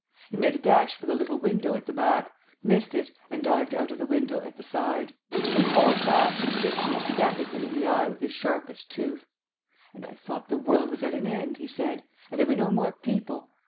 He made a dash for the little window at the back; missed it and dived out of the window at the side; was hauled back and kissed me ecstatically in the eye with his sharpest tooth.... "And I thought the world was at an end," he said, "and there were no more people.